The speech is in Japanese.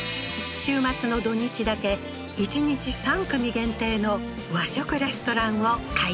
週末の土日だけ１日３組限定の和食レストランを開業